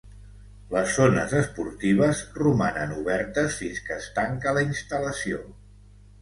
Les zones esportives romanen obertes fins que es tanca la instal·lació.